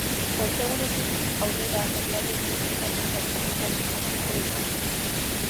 Ostegunetik aurrera herrialde ezberdinetako txapelketak hasiko dira.